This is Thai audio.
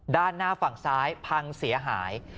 ด้านหน้าฝั่งซ้ายพังเสียหาย